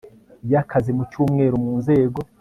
y akazi mu cyumweru mu Nzego